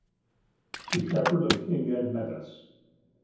THE SHEPHERD OF KING ADMETUS.